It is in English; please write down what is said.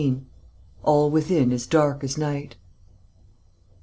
"ALL WITHIN IS DARK AS NIGHT."